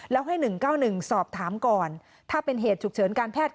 แล้วให้๑๙๑สอบถามก่อนถ้าเป็นเหตุฉุกเฉินการแพทย์